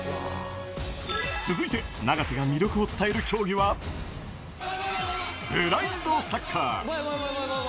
続いて、永瀬が魅力を伝える競技は、ブラインドサッカー。